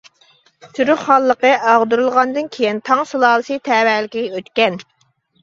تۈرك خانلىقى ئاغدۇرۇلغاندىن كېيىن تاڭ سۇلالىسى تەۋەلىكىگە ئۆتكەن.